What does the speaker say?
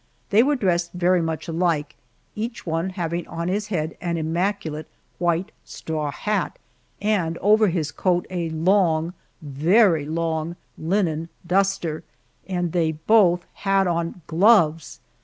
They were dressed very much alike, each one having on his head an immaculate white straw hat, and over his coat a long very long linen duster, and they both had on gloves!